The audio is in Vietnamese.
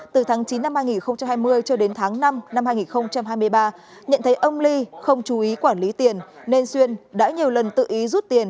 từ tháng chín năm hai nghìn hai mươi cho đến tháng năm năm hai nghìn hai mươi ba nhận thấy ông lee không chú ý quản lý tiền nên xuyên đã nhiều lần tự ý rút tiền